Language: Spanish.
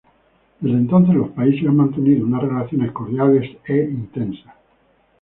Desde entonces los países han mantenido unas relaciones cordiales e intensas.